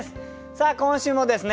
さあ今週もですね